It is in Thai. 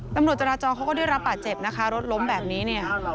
ตำรวจจราจรเขาก็ได้รับบาดเจ็บนะคะรถล้มแบบนี้เนี่ย